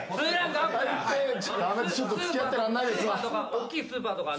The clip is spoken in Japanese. おっきいスーパーとかは？